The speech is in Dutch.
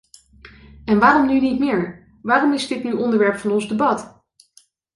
En waarom nu niet meer, waarom is dit nu onderwerp van ons debat?